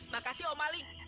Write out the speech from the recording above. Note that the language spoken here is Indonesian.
makasih om maling